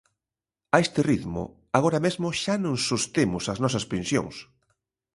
A este ritmo, agora mesmo xa non sostemos as nosas pensións.